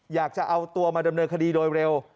อยากจะเอาตัวมาดำเนินคดีโดยเร็ว